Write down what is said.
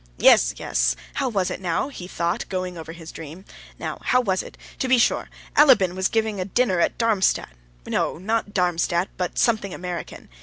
"Yes, yes, how was it now?" he thought, going over his dream. "Now, how was it? To be sure! Alabin was giving a dinner at Darmstadt; no, not Darmstadt, but something American.